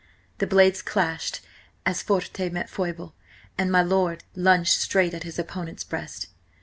The blades clashed as forte met foible, and my lord lunged straight at his opponent's breast.